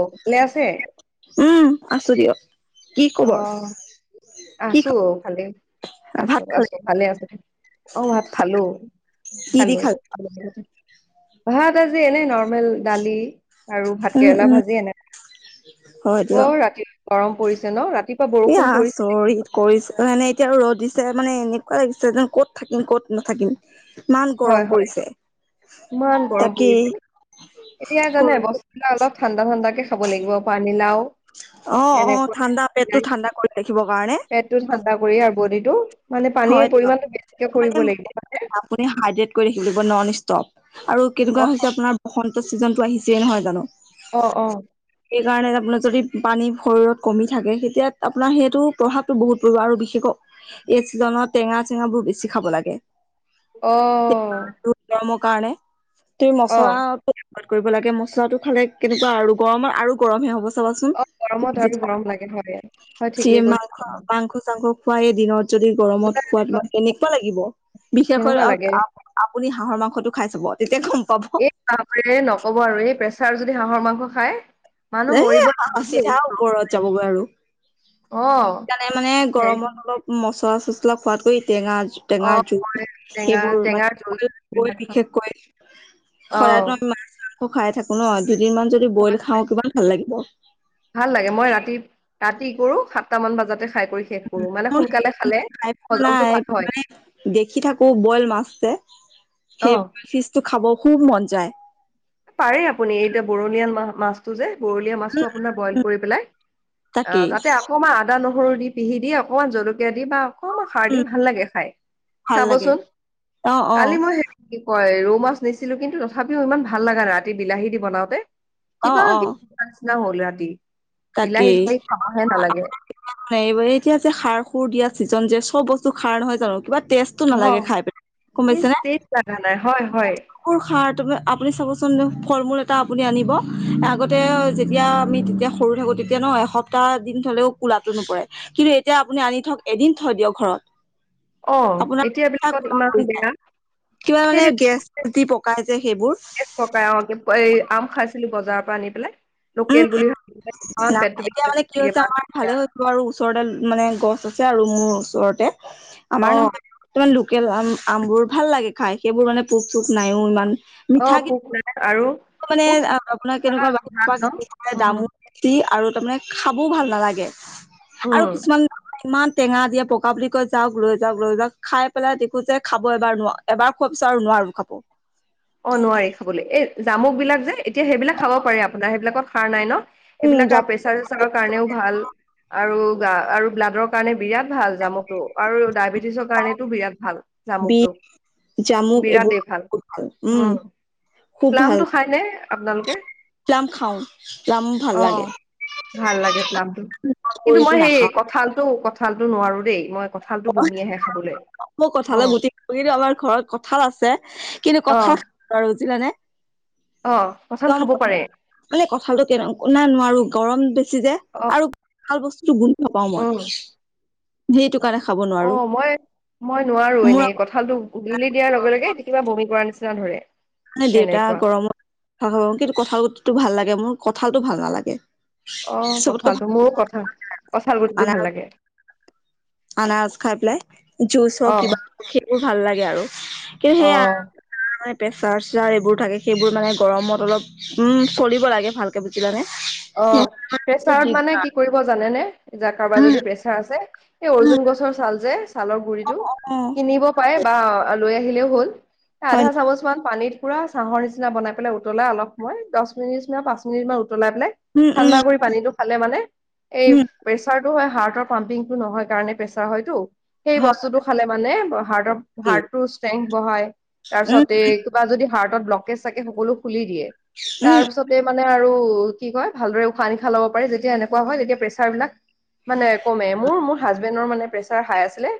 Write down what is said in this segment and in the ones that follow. অকলে আছে উম আছো দিয়ক কি খবৰ কি খ আছোঁ ভালে ভাত আছোঁ খালে আছোঁ ভালে আছোঁ অ ভাত খালোঁ কি দি খালে ভাত আজি এনেই ন দালি আৰু ভাত উম কেৰেলা উম ভাজি এনে। হয় দিয়ক অ' ৰাতি গৰম পৰিছে ন ৰাতিপুৱা বৰষুণ এয়া পৰিছিলে চৰি কিন্তু কৰিছ মনে এতিয়া ৰ'দ দিছ। মানে এনেকুৱা লাগিছে যেন ক'ত থাকিম ক'ত নাথাকিম। ইমান হয় গৰম হয় পৰিছে ইমান গৰম তাকে। পৰিছে এতিয়া জানে বস্তুবিলাক অলপ ঠাণ্ডা ঠাণ্ডা কে খাব লাগিব পানীলাও। অ অ এনেকুৱা ঠাণ্ডা পেটটো ঠাণ্ডা কৰি থাকিব কাৰণে। পেটটো ঠাণ্ডা কৰি আৰু বডিটো। মানে পানীৰ হয় দিয়ক পৰিমাণটো বেছিকে কৰিব লাগিব মানে। ননস্টপ আৰু কেনেকুৱা হৈছে আপোনাৰ বসন্ত চিজনটো আহিছে নহয় জানো। অ অ। সেইকাৰণে আপোনাৰ যদি পানী শৰীৰত কমি থাকে তেতিয়া আপোনাৰ সেইটো প্ৰভাৱটো বহুত পৰিব আৰু বিশেষকৈ। উ [unintelligible] এই চিজনত টেঙা চেঙাবোৰ বেছি খাব লাগে। অহ। গৰমৰ কাৰণে তুমি মছলা। কৰিব লাগে মছলাটো খালে কেনেকুৱা আৰু গৰমৰ আৰু গৰমহে হ'ব। চাবা অ গৰমত চোমি আৰু গৰম লাগে হয় হয় যে ঠিকেই মং কৈছে মাংঘ চা। খুৱাই দিনত যদি গৰমত ওলাই খোৱা তোমাৰ কেনেকুৱা লাগিব বিশেষকৈ কেনেকুৱা লাগে আপুনি। হাঁহৰ মাংসটো খাই চাব তেতিয়া গম। পাব এই বাৰে নকব আৰু এই প্ৰেছাৰ যদি হাঁহৰ মাংস খায়। মানুহ এই মৰিব হা লাগিব দেই। চিধা ওপৰত যাবগৈ আৰু। অ সেইকাৰণে মানে হে গৰমত অলপ মচলা চচলা খোৱাতকৈ টেঙা। অ টেঙাৰ জোল হয়, টেঙা সেইবোৰ টেঙাৰ মানে জোল বইল বিলাক খাওঁ বিশেষকৈ। অ শৰাইতো আমি মাছ মাংস খাই থাকো ন দুদিন মান যদি বইল খাওঁ কিবমান। ভাল লাগে মই ৰাতি ৰাতি কৰো সাতটা মান বজাতে। খাই কৰি শেষ কৰো মানে সোনকালে খালে খাই পোৱা হজমটো নাই ভাল হয় মানে দেখি থাকো বইল মাছে। অ সেইব ফিজটো খাব খুব মন যায়। পাৰে আপুনি এতিয়া বৰলিয়া মা -মাছটো যে। বৰলীয়া মাছটো আপোনাৰ বইল কৰি পেলাই, আ তাকেই তাতে অকমাণ আদা, নহ নহৰু দি পিহি দিয়ে অকণমান জলকীয়া বা অকণমান সাৰ দি উম ভাল লাগে খাই, ভাল লাগে চাবচোন। অ অ কালি মই সে কি কৈ ৰ মাছ নিছিলো কিন্তু তথাপিও ইমান ভাল লগা ৰাতি বিলাহী দি বনাওঁতে অ কিবা। অ নিচনা হল ৰাতি বিলাহী চিলাহী খাবহে নালাগে। নাই এইব এতিয়া যে সাৰ সুৰ দিয়া ছিজন যে চব বস্তু খাৰ নহয় জানো কিবা। টেষ্টটো অ নালাগে খাই পিনে গম টেষ্ট পাইছেনে। টেষ্ট লগা নাই হয় হয় কুৰ সাৰ তম আপুনি চাবচোন ফল মূল এটা আপুনি আনিব আগতে যেতিয়া আমি। যেতিয়া সৰু থাকো তেতিয়া ন এসপ্তাহ দিন থলেও কোলাতো নপৰে কিন্তু এতিয়া আপুনি আনি থওক এদিন থৈ দিয়ক। ঘৰত অ আপোনাৰ এতিয়া বিলাকত কৰা ইমান পৰি যাই বেয়া কিবা মানে সেইদিনা গেছ। দি পকাই। যে সেইবোৰ পকাই অ এই আম খাইছিলো বজাৰৰ পৰা আনি পেলাই। উম লোকেল উম বুলি ভাবি পেলাই ইমান নাই পেটটো এতিয়া মানে কি বিষাইছিল হৈছে মাছ আমাৰ ভালে হৈছে আৰু ওচৰতে। মানে গছ আছে আৰু মোৰ ওচৰতে অ আমাৰ নহয় কি। লোকেল আম আমবোৰ ভাল লাগে খাই সেইবোৰ মানে পোক চোক নায়য়ো ইমান। অ মিঠা কি পোক নাই আৰু মানে আপোনাৰ কেনেকুৱা। কিনি খাই অ। দামো বেছি আৰু তাৰমানে খাবও ভাল নালাগে আৰু উম কিছুমান ইমান। টেঙা দিয়ে পকা বুলি কৈ যাওক লৈ যাওক লৈ যাও খাই পেলাই দেখো যে খাব এবাৰ নোৱাৰ এবাৰ খব চ নোৱাৰ। আৰু খাব। অ নোৱাৰি খাবলৈ এই জামুক বিলাক যে এতিয়া সেইবিলাক খাব পাৰে আপোনাৰ সেইবিলাকত খাৰ নাই ন। উম সেইবিলাক আৰু জামুক প্ৰেচাৰ চেচাৰৰ কাৰণেও ভাল আৰু গা আৰু ব্লাডৰ কাৰণে বিৰাট। ভাল জামুকটো আৰু ডায়বেটিছৰ কাৰণেতটো বিৰাট ভাল বিট জামুকটো। জামুক এব অ। প্লামটো খাইনে আপোনালোকে? প্লাম খাও প্লাম ভাল অহ। লাগে ভাল লাগে প্লামটো কিন্তু কৰিতো মই সেই নাখাও কঁঠালটো- কঁঠালতটো নোৱাৰো দেই মই কঁঠালটো বমি আহে খাবলৈ ম অ কঠালে গুটি কিন্তু আমাৰ ঘৰত কঁঠাল আছে কিন্তু অ কথা আৰু বুজিলানে? অ কঁঠাল কম খাব ক পাৰে মানে কথাটো কেনে শনা নোৱাৰো গৰম বেছি যে অ আৰু ভাল বস্তু গোন্ধ পাও মই। উম সেইটো কাৰণে খাব অ নোৱাৰো মই, মই নোৱাৰো মোৰ এনেই আকৌ কঁঠালটো উগিলি দিয়াৰ লগে লগে এ কিবা বমি কৰা নিচিনা যা ধৰে। মানে দেউতা এনেকুৱা গৰমত, খ কিন্তু কঁঠালটো ভাল লাগে মোৰ কঁঠালটো ভাল নালাগে। অ চবতকৈ ভাল কঁঠালটো মোৰো কথা কছাল গুটিটো আনাৰ ভাল লাগে। আনাৰস খাই পেলাই, জুচ অ হওক কিবা হওক সেইবোৰ ভাল লাগে আৰু। কিন্তু সেইয়া অ চাৰ চাৰ এইবোৰ থাকে সেইবোৰ মানে গৰমত অলপ উম চলিব লাগে ভালকৈ বুজিলানে? অ, নহ'লে বহুত প্ৰেছাৰত মানে দিগদাৰ কি কৰিব জানেনে? কাৰোবাৰ উম যদি প্ৰেছাৰ আছে এই উম অৰ্জুন গছৰ ছাল যে ছালৰ গুৰিটো, অ কিনিব পাৰে বা লৈ আহিলেও হ'ল। হয় আধা চামুচমান পানীৰ পুৰা চাহৰ নিচিনা বনাই পেলাই উতলাই অলপ সময় দচ মিনিচিনা পাঁচ মিনিটমান উতলাই পেলাই উম ঠাণ্ডা উম কৰি পানীটো খালে মানে, এই উম প্ৰেচাৰটো হয় হাৰ্ট পাম্পিংটো নহয় কাৰণে প্ৰেছাৰ হয়টো। সেই হয় বস্তুটো খালে মানে হাৰ্টৰ হাৰ্টটো ষ্ট্ৰেং বঢ়ায়। উম তাৰপিছতে কিবা যদি হাৰ্টত ব্লকেজ থাকে সকলো খুলি দিয়ে। উম তাৰপিছতে মা ফালে আৰু কি কয় ভালদৰে উশাহ- নিশাহ লব পাৰে যেতিয়া এনেকুৱা হয় তেতিয়া প্ৰেছাৰবিলাক মানে কমে মোৰ মোৰ হাজবেণ্ডৰ মানে প্ৰেচাৰ হাই আছিলে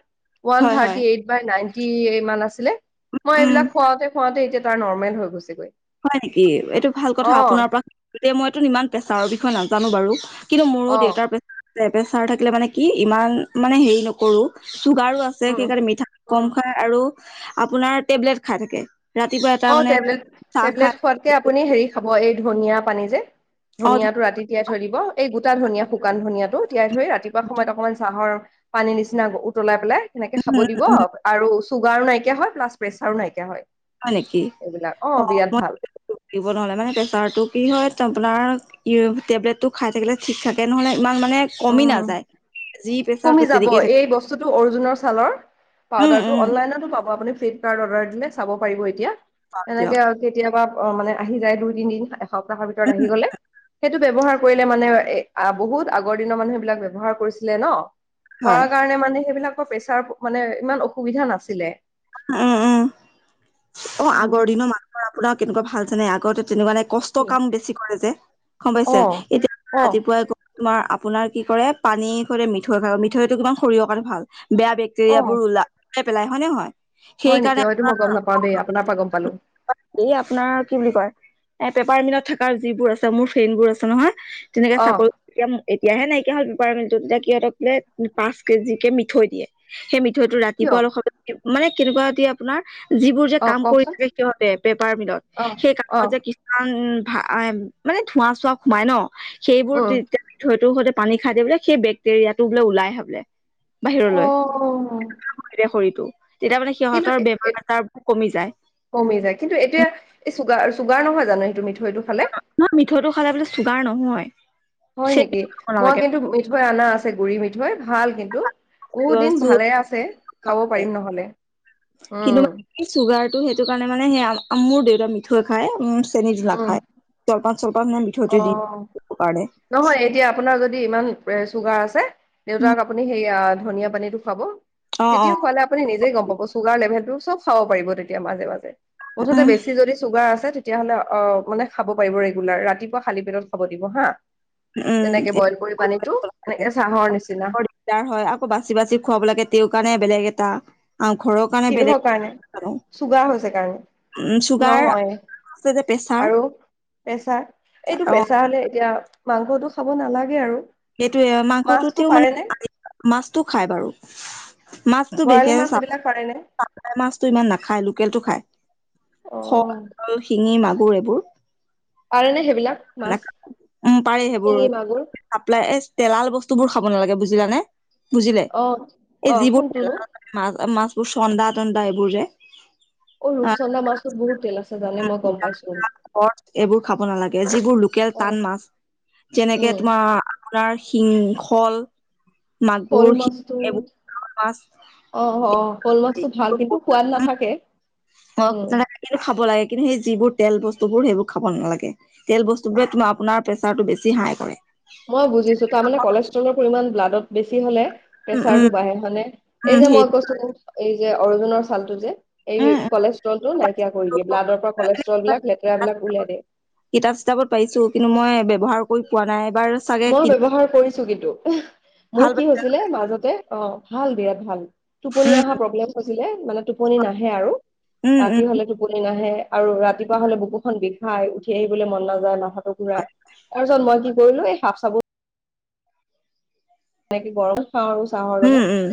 ৱান হয় হয় থাৰ্টি এই বাই নাইন কি ইমান আছিলে মই উম এইবিলাক খুৱতে খুৱওঁতে এতিয়া তাৰ নৰ্মেল হৈ গৈছেগৈ হয় নেকি এইটো ভাল কথা অ আপোনাৰ পৰা এ মইতো ইমান প্ৰেছাৰৰ বিষয়ে নাজানো বাৰু কিন্তু মোৰো অ দেউতাৰ প্ৰে প্ৰেছাৰ থাকিলে মানে কি ইমান মানে হেৰি নকৰো চুগাৰো আছে উম সেইকাৰণে মিঠা কম উম খাই আৰু আপোনাৰ টেবলেট খাই থাকে ৰাতিপুৱা এটা অ মানে টেবলেট চাহ খাই টেবলেট খোৱাতকে আপুনি হেৰি খাব এই ধনীয়া পানী যে, অ ধ ধনীয়াটো ৰাতি তিয়াই থৈ দিব এই গোটা ধনিয়া শুকান ধনিয়াটো তিয়াই থৰি ৰাতিপুৱা সময়ত অকণমান চাহৰ পানী নিচিনা উতলাই পেলে সেনেকে খাব দিব উম আৰু চুগাৰো নাইকিয়া হয় প্লাছ প্ৰেচাৰো নাইকিয়া হয়। হয় নেকি? এইবিলাক অ বিৰাট ভাল অব ন মানে প্ৰেচাৰটো কি হয় আপোনাৰ ই টেবলেটটো খাই থাকিলে ঠিক থাকে নহলে ইমান মানে কমি উম নাযায়। যি প্ৰেছাৰ কমি যাব তেনেকেই থাকে এই বস্তুটো অৰ্জুনৰ ছালৰ উম পাউডাৰটো উম অনলাইনতো পাব আপুনি ফ্লিপকাৰ্ট অৰ্ডাৰ মানে চাব পাৰিব এতিয়া, হয় এনেকে দিয়ক কেতিয়াবা অ মানে আহি যায় দুই তিন দিন আ সপ্তাহৰ ভিতৰত আহি গলে, সেইটো ব্যৱহাৰ কৰিলে মানে এ বহুত আগ আগৰ দিনৰ মানুহ সেইবিলাক ব্যৱহাৰ কৰিছিলে ন, হয় কৰা কাৰণে মানে সেইবিলাক প্ৰেছাৰ মানে ইমান অসুবিধা নাছিলে। উম উম। অ আগৰ দিনৰ মানুহৰ আপোনাৰ কেনেকুৱা ভাল জানে আগতে তেনেকুৱানে কষ্ট কাম বেছি কৰে যে। গম অ পাইছে, এতিয়া অ ৰাতিপুৱাই ক তোমাৰ আপোনাৰ কি কৰে, পানীৰ সৈতে মিঠৈ খাই মিঠৈটো তোমাৰ শৰীৰ কাৰণে ভাল। বেয়া অ বেক্টেৰিয়াবোৰ ওলা -ওলাই পেলাই হয় নে নহয়? হয় সেইকাৰণে নেকি অ এইটো মই গম নাপাওঁ দেই আ এই আপোনাৰ কি বুলি কয় এ পেপাৰ মিলত থকা যিবোৰ আছে মোৰ ফ্ৰেনবোৰ আছে নহয় তেনেকে অ চাকৰি তিয়াম এইত এতিয়াহে নাইকিয়া হল বপাৰ মটো তেতিয়া সিহঁতক বোলে পাঁচ কেজি কে মিঠৈ দিয়ে সেই মি ঠৈ টো কিয় ৰাতিপুৱা অলপ সম মানে কেনেকুৱা দিয়ে আপোনাৰ যি অ কাম কৰি কওকচোন থাকে সিহঁতে পেপাৰ মিলত অ সেই অ কামত যে কিছুমান মানে ধোৱা চোৱা সোমাই ন সেইবোৰ উম তেতি থৈতো সতে পানী খাই দি বোলে সেই বেক্টেৰিয়া টো বোলে ওলাইে বোলে বাহিৰলৈ খৰিত অ তেতিয়া শৰীৰটো তেতিয়া মানে কিন্তু সিহঁতৰ এ- বেমাৰ এ- আজাৰ কমি যায় কিন্তু এতিয়া এই চুগাৰ চুগাৰ নহয় জানো হেটো মিঠৈ। নহয় মিঠৈটো খালে বোলে চুগাৰ নহয়। হয় চেনি নেকি খাব মই নালাগে কিন্তু মিঠৈ অনা আছে গুৰি মিঠৈ। ভাল কিন্তু বহুত দিন ভালে নালাগে আছে খাব পাৰিম নহলে। কিন্তু উম মানে চুগাৰটো সেইটো কাৰণে মানে সেই মোৰ দেউতা মিঠৈ খায় উ চেনীটো উম নাখায় জলপান চলপান মানে অ মিঠৈতে দি দ কাৰণে নহয় এতিয়া আপোনাৰ যদি ইমান এ চুগাৰ আছে উম দেউতাক আপুনি সেই আক ধনিয়া পানীটো খোৱাব অ অ তেতিয়া খোৱালে আপুনি নিজে গম পাব চুগাৰ লেভেল টো চব খাব পাৰিব তেতিয়া মাজে মাজে মুঠতে উম বেছি যদি চুগাৰ আছে তেতিয়াহ'লে অ মানে খাব পাৰিব ৰেগুলাৰ ৰাতিপুৱা খালি পেটত খাব দিব হা। উম তেনেকে বইল কৰি পানীটো এ চাহৰ নিচিনা। বৰ দিগদাৰ হয় আকৌ বাচি বাচি খুৱাব লাগে তেওঁৰ কাৰণে বেলেগ এটা আৰু ঘৰৰ কাৰণে বেলেগ, কিহৰ কাৰণে চুগাৰ হৈছে কাৰণে উ চুগাৰ আছে যে পেছাৰ পেছা এইটো পেছা হলে এতিয়া মাংসটো খাব নালাগে আৰু সেইটোয়ে মাছটো মাংসটোতেও মানে পাৰেনে মাছটো খায় বাৰু। মাছটো বৰালি বিশেষ মাছ চাব এইবিলাক পাৰেনে মাছটো ইমান নাখায় লোকেলটো খায়। অ খক শিঙি মাগুৰ এইবোৰ। পাৰে ন সেইবিলাক মাছ, শিঙি মাগুৰ চাপলাই এই তেলাল বস্তুবোৰ খাব নালাগে বুজিলানে। বুজিলে অ অ এই যিবোৰ কোনটোনো মাছ মাছবোৰ চন্দা টন্দা এইবোৰ যে। অ ৰূপচন্দা মাছটো বহুত তেল আছে জানে মই গম পাইছো। এইবোৰ খাব নালাগে যিবোৰ লোকেল অ টান মাছ যেনেকে উম তোমাৰ সিং হল শ'ল মাছটো অ অ শ'ল মাছটো ভাল কিন্তু সোৱাদ নাথাকে। অ উম তেনে খাব লাগে। কিন্তু সেই যিবোৰ তেল বস্তুবোৰ সেইবোৰ খাব নালাগে, তেল বস্তু বোৰে তোমৰ আপোনাৰ প্ৰেচাৰটো বেছি হাই কৰে। মই বুজিছো তাৰমানানে কলেষ্ট্ৰলৰ পৰিমাণ ব্লাডত বেছি হলে উম উম প্ৰেচাৰটো বাঢ়ে হয়ানে, এই উম যে সেই মই কৈছো এই যে অৰ্জুনৰ ছালটো যে এই উম উম কলেষ্ট্ৰল টো নাইকিয়া কৰি দিয়ে ব্লাডৰ পৰা কলেষ্ট্ৰল বিলাক লেতেৰাবলাক ওলাই দিয়ে। কিতাপ চিতাপত পাইছো কিন্তু মই ব্যৱহাৰ কৰি পোৱা নাই। এবাৰ চাগে মই কিনি ব্যৱহাৰ কৰিছো কিন্তু, মোৰ ভাল কি পাই হৈছিলে মাজতে অ ভাল বিয়াত ভাল টোপনি উম, অহা প্ৰব্লেম হৈছিলে মানে টোপনি নাহে আৰু উম, উম, ৰাতি হলে টোপনি নাহে আৰু ৰাতিপুৱা হলে বুকুখন বিষাই উঠি আহিবলৈ মন নাযায় মাথাটো ঘুৰাই তাৰ পিছত মই কি কৰিলো এই সাফ চাব এনেকে গৰম খাওঁ আৰু চাহৰ উম, লগত, উম,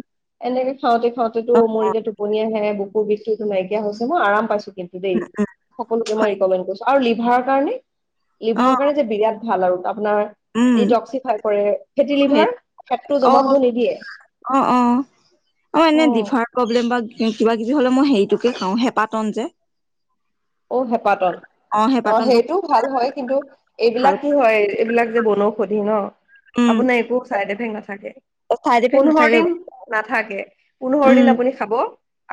এনেকে খাওঁতে খাওঁতেতো অ, মোৰ এতিয়া টোপনি আহে, বুকুৰ বিষ টো নাইকিয়া হৈছে মই আৰাম পাইছো। দেই সকলোকে হয়, ৰিকমেন্ট কৰিছো আৰু লিভাৰ কাৰণে, অ, লিভাৰৰ কাৰণে যে বিৰাট ভাল আৰু তাক আপোনাৰ উম, ডিটক্সিফাই কৰে, ফেটি লিভাৰ সেইটোৱে ফেটটো অ জমা হ'ব নিদিয়ে অ অ অ এনে ডিভাৰ প্ৰব্লেম কিবা-কিবি হ'লে মই হেৰিটোকে খাওঁ হেপাতন যে অ হেঁপাতল। অ সেইটো ভাল হয়, কিন্তু ভাল এইবিলাক কি হয় এইবিলাক যে বনৌষধি ন। উম, আপোনাৰ একো চাইড এফেক্ট নাথাকে। চাইড ইফেক্ট পোন্ধৰ নাথাকে দিন নাথাকে, পোন্ধৰ দিন উম, আপুনি খাব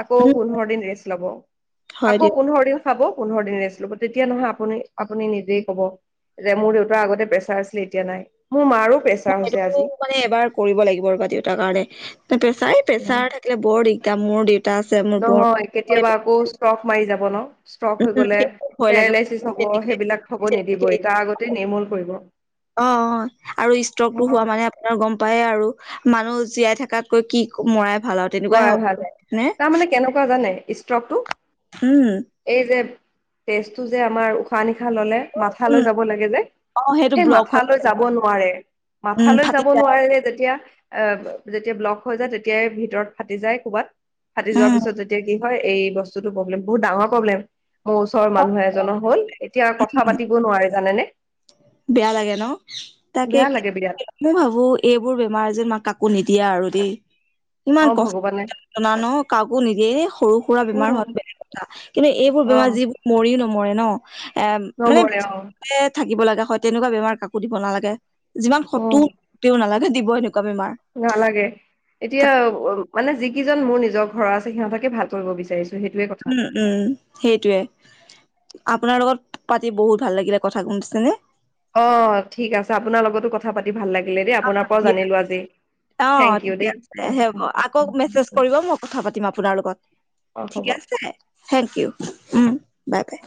আকৌ উম, পোন্ধৰ দিন ৰেষ্ট ল'ব। হয় আকৌ দিয়ক পোন্ধৰ দিন খাব, পোন্ধৰ দিন ৰেষ্ট ল'ব, তেতিয়া নহয় আপুনি আপুনি নিজেই কব। যে মোৰ দেউতাৰ আগতে প্ৰেছাৰ আছিলে এতিয়া নাই। মোৰ মাৰো প্ৰেছাৰ এইটো, হৈছে আজি মানে এবাৰ কৰিব লাগিব ৰবা দেউতাৰ কাৰণে। চাই প্ৰেছাৰ থাকিলে বৰ দিগদাৰ মোৰ দেউত নহয় কেতিয়াবা আকৌ ষ্ট্ৰক মাৰি যাব ন। ষ্ট্ৰক হৈ উম, গ'লে সেইটোৱে ভয় লাগে পেৰালাইচিছ হ'ব, যেনেকে সেইবিলাক হ'ব নিদিব যেনেকে তাৰ আগতে নিৰ্মূল কৰিব। অ অ' আৰু ষ্ট্ৰকটো হোৱা মানে আপোনাৰ গম পায় আৰু। মানুহ জীয়াই থকাতকৈ কি মৰাই ভাল আৰু তেনেকুৱাহে মৰা হয় ভাল, নে তাৰমানে কেনেকুৱা জানে ষ্ট্ৰকটো উম এই যে তেজটো যে আমাৰ উশাহ নিশ শা ল'লে মাথা লৈ উম যাব লাগে যে। অ সেইটো সেই ব্লক হয় মাথালৈ যাব নোৱাৰে, উম মাথালৈ ফাটি যাব যায় নোৱাৰে নে যেতিয়া এ যেতিয়া ব্লক হৈ যায়, তেতিয়াই ভিতৰত ফাটি যায় ক'বাত, ফাটি যোৱাৰ উম পিছত যেতিয়া কি হয় এই বস্তুতো প্ৰব্লেম, বহুত ডাঙৰ প্ৰব্লেম মোৰ ওচৰৰ মানুহ এজনৰ হ'ল এতিয়া কথা পাতিব নোৱাৰে জানেনে। বেয়া লাগে ন, তাকে বেয়া লাগে বিৰাট মই ভাবো এইবোৰ বেমাৰ যেন মাক কাকো নিদি দিয়া আৰু দেই। অ ভগৱানে। জ না ন কাকো নিদিয়ে, সৰু সুৰা বেমাৰ উম হোৱাটো বেলেগ কথা কিন্তু এইবোৰ অ বেমাৰ যিবোৰ মৰি ন মৰে ন এ মানে নমৰে বেছি অ থাকিব লাগে হয়, তেনেকুৱা ব্যৱহাৰ কাকো দিব নালাগে। যিমান শত্ৰু উম তেওঁ নালাগে দিব, হে নালাগে, এতিয়া মানে যি কিজন মোৰ নিজৰ ঘৰৰ আছে, সিহঁতকে ভাল কৰিব বিচাৰিছো। সেইটোৱে কথা উম' উম' সেইটো য়ে। আপোনাৰ লগত পাতি বহুত ভাল লাগিলে কথা গম পাইছা নে। অ ঠিক আছে, আপোনাৰ লগতো কথা পাতি ভাল লাগিলে দেই, আপোনাৰ পৰাও জানিলো আজি। অ থেংক ইউ ঠিকে দেই আছে, সেই আকৌ মেছেজ কৰিব মই কথা পাতিম আপোনাৰ লগত। অ হ'ব ঠিকে আছে, thank you um' bye' by.